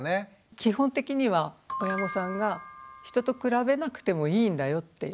基本的には親御さんが人と比べなくてもいいんだよっていう。